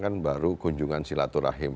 kan baru kunjungan silaturahim